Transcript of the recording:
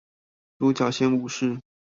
獨角仙武士